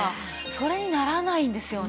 それにならないんですよね。